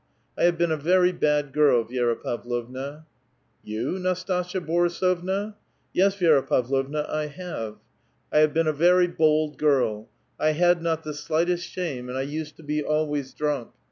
I have been a very bad girl, Vi^ra Pavlovna." " Y'ou, Nastasia Boiisovha?" " Yes, Vi^ra Pavlovna, I have. I have been a very bold girl ; I had not the slightest shame, and I used to be always drunk.